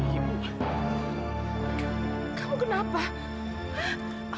ya ampun ibu